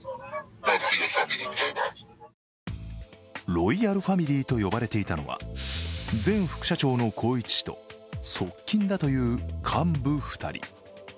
ロイヤルファミリーと呼ばれていたのは前副社長の宏一氏と側近だという幹部２人。